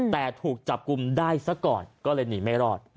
แต่ถูกจับกลุ่มได้ซะก่อนก็เลยหนีไม่รอด